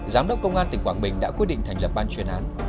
giám đốc công an tỉnh quảng bình đã quyết định thành lập ban chuyên án